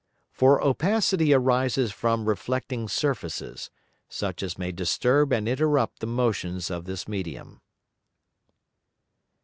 For opacity arises from reflecting Surfaces, such as may disturb and interrupt the Motions of this Medium.